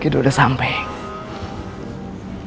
nih rumah impian kamu